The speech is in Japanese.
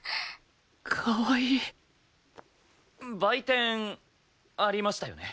かわいい売店ありましたよね。